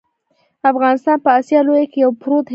افغانستان په اسیا لویه کې یو پروت هیواد دی .